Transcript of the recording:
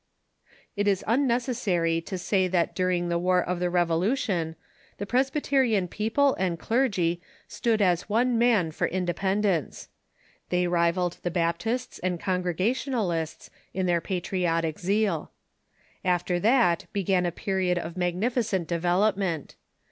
It is unnecessary to say that during the War of the Revolu tion the Presbyterian people and clergy stood as one man for ^^„^„^ independence. They rivalled the Baptists and The Great Breach '.,..^.••,» Congregationalists in their patriotic zeal. After that began a period of magnificent development.